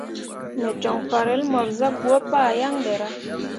Me joŋ farel mor zah gwǝǝ pah yaŋ ɓe ra.